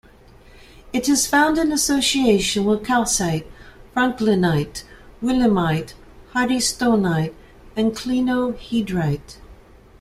It is found in association with calcite, franklinite, willemite, hardystonite and clinohedrite.